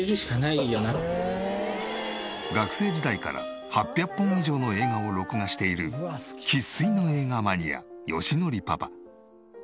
学生時代から８００本以上の映画を録画している生粋の映画マニア義典パパ。